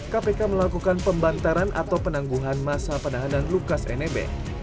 kpk melakukan pembantaran atau penangguhan masa penahanan lukas nmb